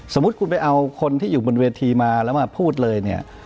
สมมุติคุณไปเอาคนที่อยู่บนเวทีมาแล้วมาพูดเลยเนี่ย